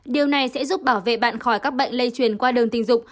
điều này sẽ giúp bảo vệ bạn khỏi các bệnh lây chuyển qua đường tình dục